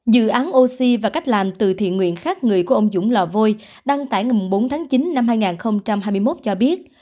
dự án oxy và cách làm từ thiện nguyện khác người của ông dũng lò vôi đăng tải ngày bốn tháng chín năm hai nghìn hai mươi một cho biết